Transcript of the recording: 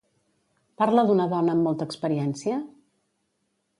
Parla d'una dona amb molta experiència?